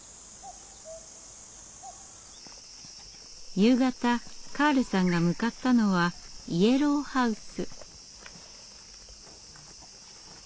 夕方カールさんが向かったのはイエローハウス。